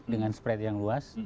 dengan spread yang luas